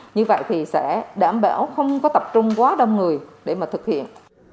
như vậy thì sẽ đảm bảo không có tập trung quá đông người để mà thực hiện